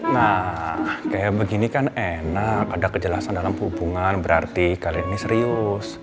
nah kayak begini kan enak ada kejelasan dalam hubungan berarti kalian ini serius